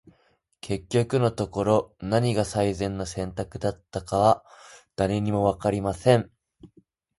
•結局のところ、何が最善の選択だったのかは、誰にも分かりません。